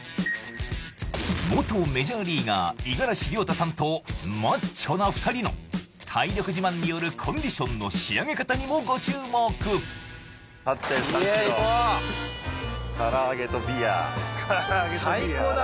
元メジャーリーガー五十嵐亮太さんとマッチョな２人の体力自慢によるコンディションの仕上げ方にもご注目８．３ｋｍイェーイ行こうからあげとビアー最高だね